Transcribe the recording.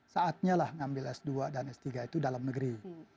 saatnya lah ngambil s dua dan s tiga itu dalam negeri